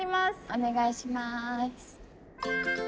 お願いします。